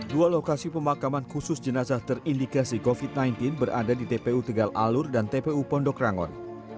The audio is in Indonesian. dua lokasi pemakaman khusus jenazah terindikasi covid sembilan belas berada di tpu tegal alur dan tpu pondok rangon